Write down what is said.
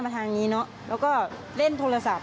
ตกตกตกตก